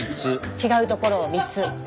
違うところを３つ。